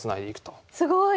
すごい。